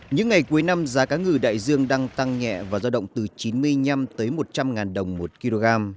những ngày cuối năm giá cá ngừ đại dương đang tăng nhẹ và do động từ chín mươi năm một trăm linh đồng một kg